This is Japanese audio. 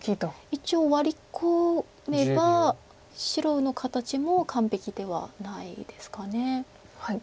一応ワリ込めば白の形も完璧ではないですか。